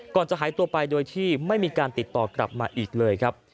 ก่อนจะหายตัวไปโดยที่ไม่มีการติดต่อกลับมาอีกเลยครับ